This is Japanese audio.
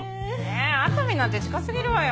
えっ熱海なんて近すぎるわよ。